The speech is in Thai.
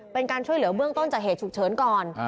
เป็นการช่วยเหลือเบื้องต้นจากเหตุฉุกเฉินก่อน